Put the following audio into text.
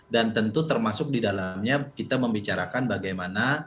dan tentu termasuk di dalamnya kita membicarakan bagaimana